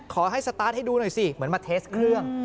สตาร์ทให้ดูหน่อยสิเหมือนมาเทสเครื่อง